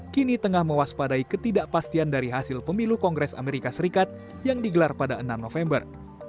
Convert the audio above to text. kini tengah mewaspadai ketidakpastian dari hasil pemilu kongres amerika serikat yang digelar pada enam november